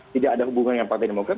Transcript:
tidak ada hubungan dengan partai demokrat